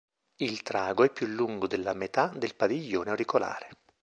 Il trago è più lungo della metà del padiglione auricolare.